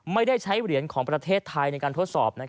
ไม่ได้ใช้เหรียญของประเทศไทยในการทดสอบ